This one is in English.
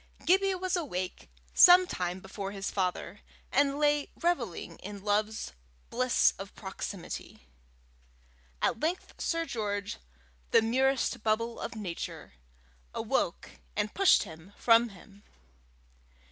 Gibbie was awake some time before his father, and lay revelling in love's bliss of proximity. At length Sir George, the merest bubble of nature, awoke, and pushed him from him.